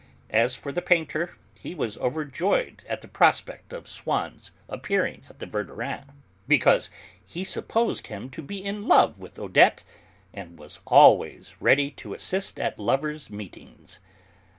As for the painter, he was overjoyed at the prospect of Swann's appearing at the Verdurins', because he supposed him to be in love with Odette, and was always ready to assist at lovers' meetings.